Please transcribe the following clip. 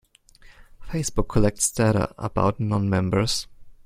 Facebook collects data about non-members.